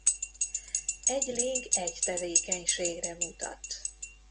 Egy link egy tevékenységre mutat.